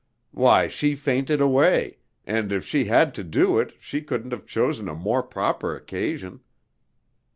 "Why, she fainted away, and if she had to do it, she couldn't have chosen a more proper occasion.